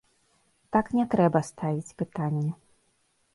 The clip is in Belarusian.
Так не трэба ставіць пытанне.